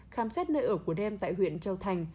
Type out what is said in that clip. khám xét nơi ở của đem tại huyện châu thành